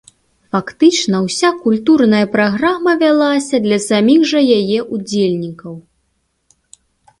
Фактычна ўся культурная праграма вялася для саміх жа яе ўдзельнікаў.